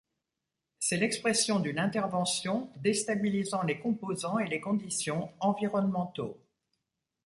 C'est l'expression d'une intervention déstabilisant les composants et les conditions environnementaux.